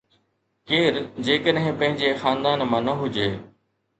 ڪير جيڪڏهن پنهنجي خاندان مان نه هجي.